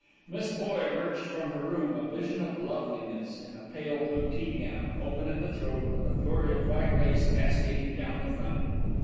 Miss Boye emerged from her room, a vision of loveliness in a pale blue teagown, open at the throat, with a flurry of white lace cascading down the front.